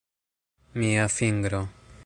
Mia fingro...